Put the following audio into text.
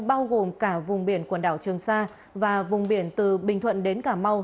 bao gồm cả vùng biển quần đảo trường sa và vùng biển từ bình thuận đến cà mau